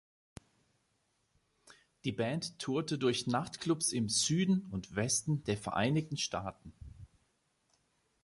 Die Band tourte durch Nachtclubs im Süden und Westen der Vereinigten Staaten.